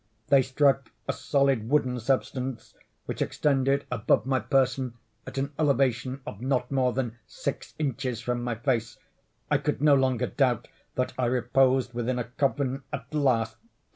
They struck a solid wooden substance, which extended above my person at an elevation of not more than six inches from my face. I could no longer doubt that I reposed within a coffin at last.